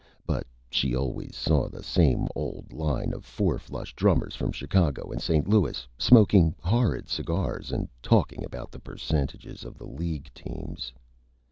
But she always saw the same old line of Four Flush Drummers from Chicago and St. Louis, smoking Horrid Cigars and talking about the Percentages of the League Teams.